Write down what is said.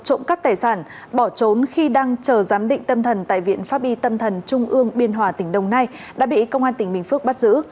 trộm cắp tài sản bỏ trốn khi đang chờ giám định tâm thần tại viện pháp y tâm thần trung ương biên hòa tỉnh đồng nai đã bị công an tỉnh bình phước bắt giữ